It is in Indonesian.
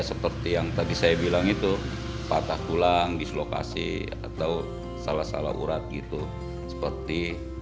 seperti yang tadi saya bilang itu patah tulang dislokasi atau salah salah urat gitu seperti